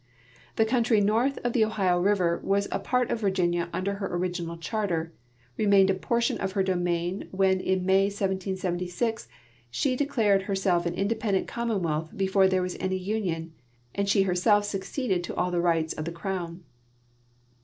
The country north of the Ohio river was a part of Virginia under her original charter, remained a portion other domain when in ISIay, 1776, she declared herself an independent commonwealth before there was any union, and she herself succeeded to all the rights of the crown.